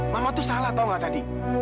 mama tuh salah tahu nggak tadi